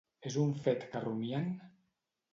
És un fet que rumien?